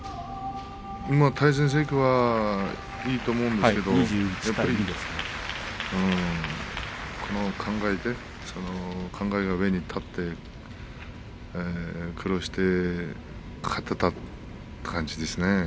対戦成績はいいと思うんですけれども考えが上に立って苦労して勝てたという感じですね。